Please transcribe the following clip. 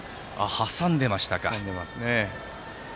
挟んでいましたか。